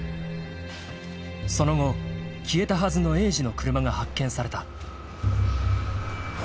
［その後消えたはずの栄治の車が発見された］